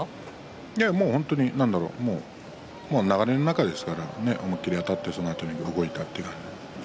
流れの中で思い切りあたってそのあとに動いたという形。